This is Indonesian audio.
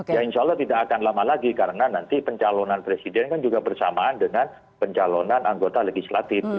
ya insya allah tidak akan lama lagi karena nanti pencalonan presiden kan juga bersamaan dengan pencalonan anggota legislatif